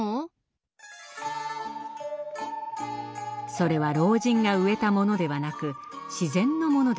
それは老人が植えたものではなく自然のものでした。